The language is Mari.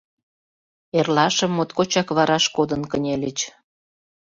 Эрлашым моткочак вараш кодын кынельыч.